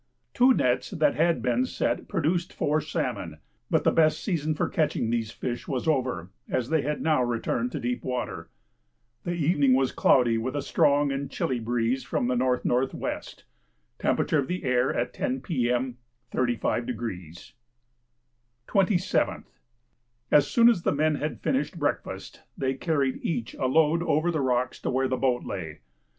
Two nets that had been set produced four salmon, but the best season for catching these fish was over, as they had now returned to deep water. The evening was cloudy with a strong and chilly breeze from N.N.W. Temperature of the air at 10 P.M. 35°. 27th. As soon as the men had finished breakfast they carried each a load over the rocks to where the boat lay.